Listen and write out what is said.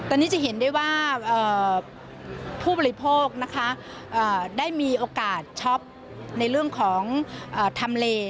ตอนนี้จะเห็นได้ว่าผู้บริโภคนะคะได้มีโอกาสช็อปในเรื่องของทำเล